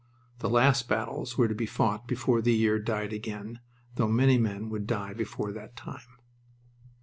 The last battles were to be fought before the year died again, though many men would die before that time.